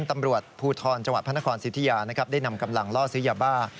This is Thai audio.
ตำรวจภูทรจังหวัดพระนครสิทธิยาได้นำกำลังล่อซื้อยาบ้า